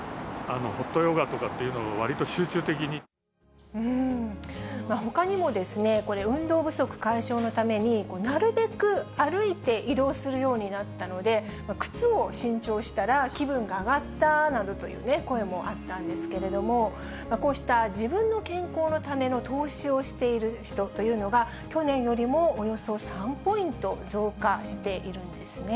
ホットヨガとかっていうのを、ほかにもですね、これ、運動不足解消のために、なるべく歩いて移動するようになったので、靴を新調したら気分が上がったなどという声もあったんですけれども、こうした自分の健康のための投資をしている人というのが、去年よりもおよそ３ポイント増加しているんですね。